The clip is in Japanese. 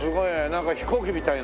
なんか飛行機みたいな。